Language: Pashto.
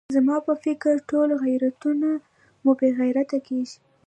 زما په فکر ټول غیرتونه مو بې غیرته کېږي.